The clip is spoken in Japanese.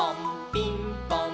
ピンポン！